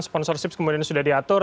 sponsorship kemudian sudah diatur